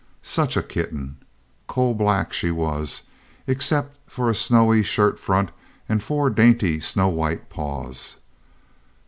Such a kitten! Coal black she was, except for a snowy shirt front and four dainty, snow white paws.